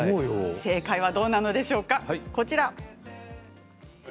正解はどちらでしょうか。